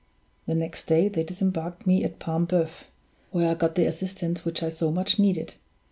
The next day they disembarked me at Paimboeuf, where I got the assistance which I so much needed.